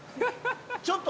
ちょっと。